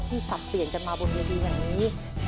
ที่สัดเปลี่ยนกันมาบนวีดีโอนี้